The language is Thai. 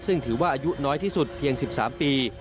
ซึ่งถือว่าอายุน้อยที่สุดเพียง๑๓ปี